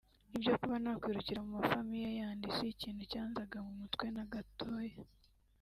Ibyo kuba nakwirukira mu ma famille yandi si ikintu cyanzaga mu mutwe na gatoya